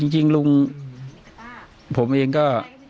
จริงลุงผมเองก็